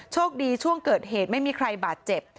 โชคดีช่วงเกิดเหตุไม่มีใครบาดเจ็บ